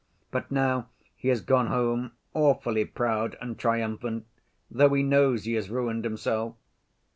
But now he has gone home awfully proud and triumphant, though he knows he has 'ruined himself.